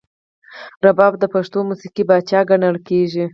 رباب د پښتو موسیقۍ پاچا ګڼل کیږي.